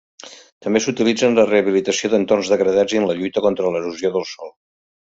També s'utilitza en la rehabilitació d'entorns degradats i en la lluita contra l'erosió del sòl.